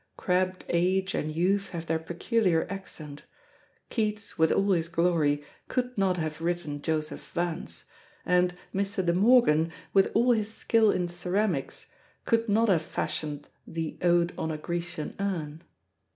Crabbed age and youth have their peculiar accent. Keats, with all his glory, could not have written Joseph Vance, and Mr. De Morgan, with all his skill in ceramics, could not have fashioned the Ode on a Grecian Urn.